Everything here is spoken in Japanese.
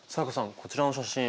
こちらの写真。